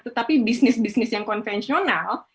tetapi bisnis bisnis yang konvensional